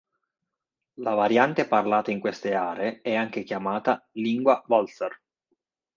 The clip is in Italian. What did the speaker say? La variante parlata in queste aree è anche chiamata lingua walser.